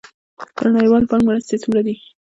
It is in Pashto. د نړیوال بانک مرستې څومره دي؟